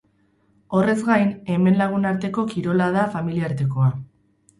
Horrez gain, hemen lagunarteko kirola da, familiartekoa.